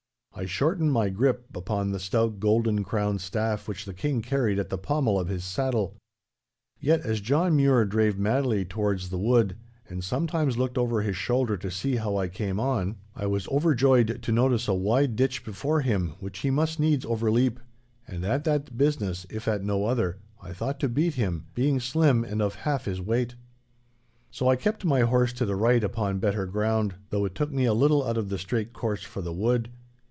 I shortened my grip upon the stout golden crowned staff which the King carried at the pommel of his saddle. Yet as John Mure drave madly towards the wood, and sometimes looked over his shoulder to see how I came on, I was overjoyed to notice a wide ditch before him which he must needs overleap—and at that business, if at no other, I thought to beat him, being slim and of half his weight. So I kept my horse to the right upon better ground, though it took me a little out of the straight course for the wood.